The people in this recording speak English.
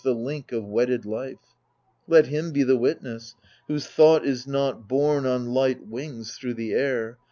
The link of wedded life ? Let him be the witness, whose thought is not borne on light wings thro' the air.